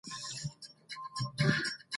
ځيني د واده په ورځو کي ضروري دي